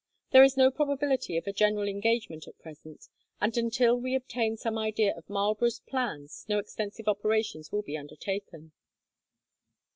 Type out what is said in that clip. There is no probability of a general engagement at present, and until we obtain some idea of Marlborough's plans, no extensive operations will be undertaken."